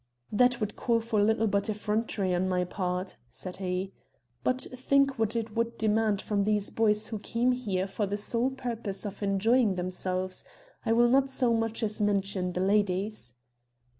"That would call for little but effrontery on my part," said he; "but think what it would demand from these boys who came here for the sole purpose of enjoying themselves. I will not so much as mention the ladies."